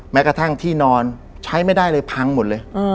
แม้กระทั่งที่นอนใช้ไม่ได้เลยพังหมดเลย